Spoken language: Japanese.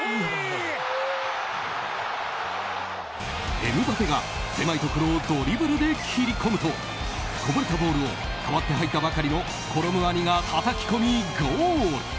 エムバペが狭いところをドリブルで切り込むとこぼれたボールを代わって入ったばかりのコロムアニがたたき込みゴール！